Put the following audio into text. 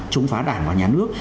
chống phá đảng và nhà nước